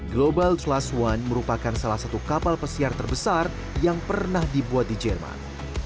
global class one merupakan salah satu kapal pesiar terbesar yang pernah dibuat di jerman